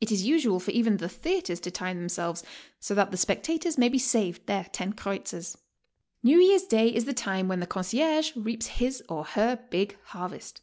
It is usual for even the theatres to time themselves so that the spectators may be siaved their lo kreuzers. New Year's day is the time when the concierge reaps his or her big harvest.